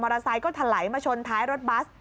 มอเตอร์ไซค์ก็ถลายมาชนท้ายรถบัส